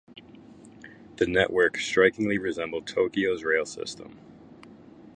The network strikingly resembled Tokyo's rail system.